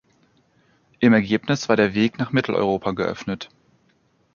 Im Ergebnis war der Weg nach Mitteleuropa geöffnet.